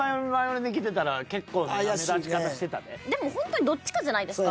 でもほんとにどっちかじゃないですか？